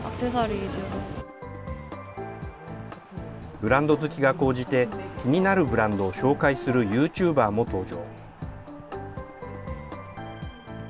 ブランド好きが高じて、気になるブランドを紹介するユーチューバーも登場。